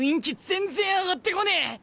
全然上がってこねえ！